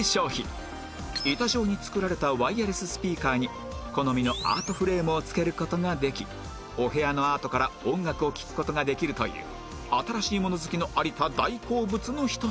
板状に作られたワイヤレススピーカーに好みのアートフレームを付ける事ができお部屋のアートから音楽を聴く事ができるという新しいもの好きの有田大好物のひと品